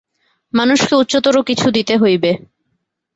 মানুষকে উচ্চতর কিছু দিতে হইবে।